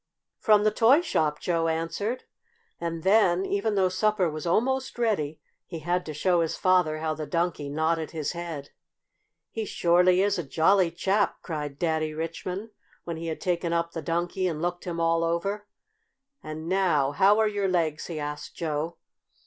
"From the toy shop," Joe answered, and then, even though supper was almost ready, he had to show his father how the Donkey nodded his head. "He surely is a jolly chap!" cried Daddy Richmond, when he had taken up the Donkey and looked him all over. "And now how are your legs?" he asked Joe.